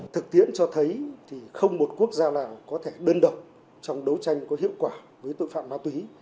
thực tiễn cho thấy thì không một quốc gia nào có thể đơn độc trong đấu tranh có hiệu quả với tội phạm ma túy